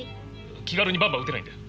気軽にバンバン撃てないんだよ。